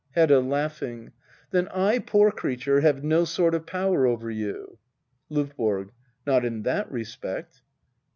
Hedda. \Laugh%ngJ\ Then I, poor creature, have no sort of power over you ? LdVBORO. Not in that respect.